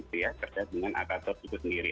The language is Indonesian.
terkait dengan aktor itu sendiri